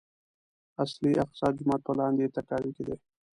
اصلي اقصی جومات په لاندې تاكاوۍ کې دی.